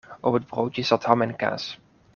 Op het broodje zat ham en kaas.